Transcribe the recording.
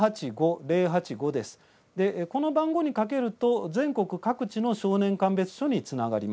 この番号にかけると全国各地の少年鑑別所につながります。